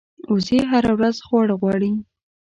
وزې هره ورځ خواړه غواړي